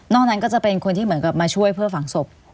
นั้นก็จะเป็นคนที่เหมือนกับมาช่วยเพื่อฝังศพ